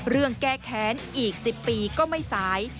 เรื่องแก้แค้นอีก๑๐ปีก็ไม่สาย